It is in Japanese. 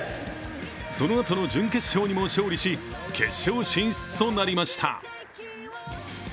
そのあとの準決勝にも勝利し決勝進出となりました。